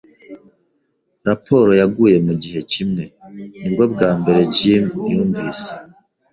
Raporo yaguye mugihe kimwe. Nibwo bwa mbere Jim yumvise ,.